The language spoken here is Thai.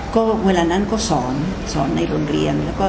ก็เวลานั้นก็สอนสอนในโรงเรียน